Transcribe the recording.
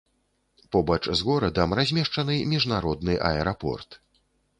Побач з горадам размешчаны міжнародны аэрапорт.